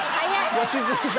良純さん